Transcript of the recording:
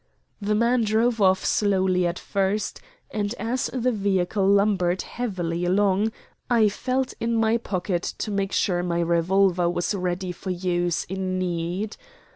The man drove off slowly at first, and as the vehicle lumbered heavily along I felt in my pocket to make sure my revolver was ready for use in need.